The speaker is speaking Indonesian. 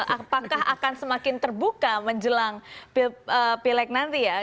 apakah akan semakin terbuka menjelang pilek nanti ya